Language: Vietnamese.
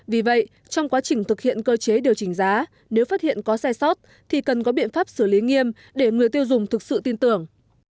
vì vậy trong quá trình thực hiện cơ chế điều chỉnh giá nếu phát hiện có sai sót thì cần có biện pháp xử lý nghiêm để người tiêu dùng thực sự tin tưởng